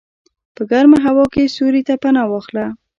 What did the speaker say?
په ګرمه هوا کې سیوري ته پناه واخله.